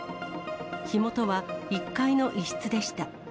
火元は１階の一室でした。